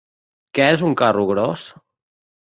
Què és un carro gros?